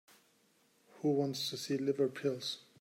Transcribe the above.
Who wants to see liver pills?